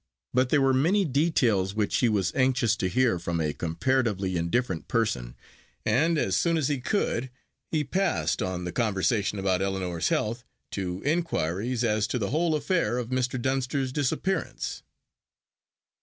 But there were many details which he was anxious to hear from a comparatively indifferent person, and as soon as he could, he passed on from the conversation about Ellinor's health, to inquiries as to the whole affair of Mr. Dunster's disappearance.